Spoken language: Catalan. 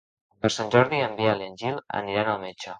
Per Sant Jordi en Biel i en Gil aniran al metge.